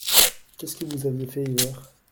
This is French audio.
Qu’est-ce que vous aviez fait hier ?